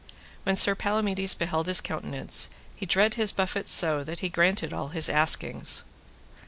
When Sir Palamides beheld his countenance, he dread his buffets so, that he granted all his askings.